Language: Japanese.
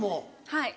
はい。